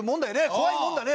怖いもんだね。